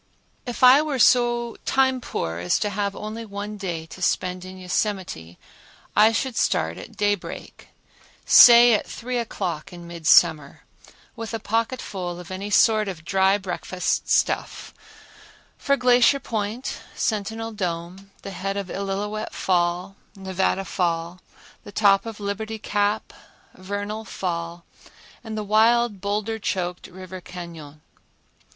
If I were so time poor as to have only one day to spend in Yosemite I should start at daybreak, say at three o'clock in midsummer, with a pocketful of any sort of dry breakfast stuff, for Glacier Point, Sentinel Dome, the head of Illilouette Fall, Nevada Fall, the top of Liberty Cap, Vernal Fall and the wild boulder choked River Cañon.